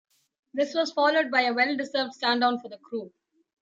This was followed by a well-deserved stand down for the crew.